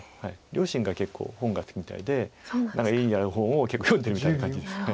両親が結構本が好きみたいで何か家にある本を結構読んでるみたいな感じです。